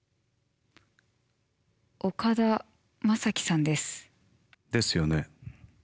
岡田将生さんです。ですよね。